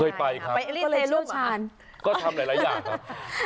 เคยไปครับก็ทำหลายอย่างครับ